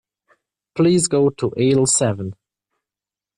Please go to aisle seven.